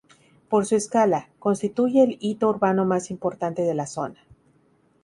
Por su escala, constituye el hito urbano más importante de la zona.